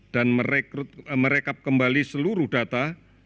dan merekap kembali seluruh data